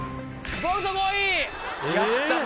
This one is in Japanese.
ボルト５位！